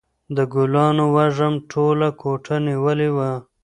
د ګلانو وږم ټوله کوټه نیولې وه.